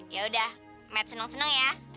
yaudah matt seneng seneng ya